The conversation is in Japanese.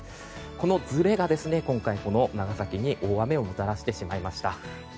このずれが今回この長崎に大雨をもたらしてしまいました。